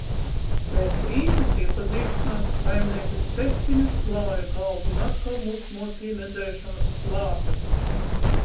Pēc īsas iepazīšanās, saimnieces teciņus klāja galdu un atkal mūs mocīja nedzēšamas slāpes.